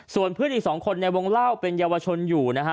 ส่วนเพื่อนอีกสองคนในวงเล่าเป็นเยาวชนอยู่นะฮะ